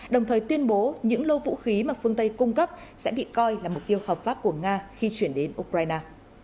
đồng thời tuyên bố những lô vũ khí mà phương tây cung cấp sẽ bị coi là mục tiêu hợp pháp của nga khi chuyển đến ukraine